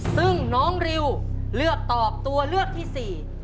ซึ่งน้องริวเลือกตอบตัวเลือกที่สี่